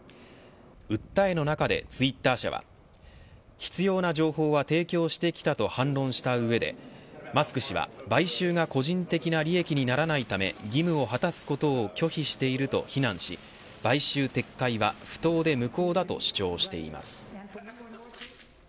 訴えの中で、ツイッター社は必要な情報は提供してきたと反論した上でマスク氏は買収が個人的な利益にならないため義務を果たすことを拒否していると非難し買収撤回は不当で無効だと主張しています。